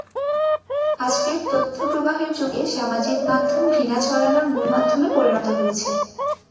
আজকের তথ্যপ্রবাহের যুগে সামাজিক মাধ্যম ঘৃণা ছড়ানোর মূল মাধ্যমে পরিণত হয়েছে।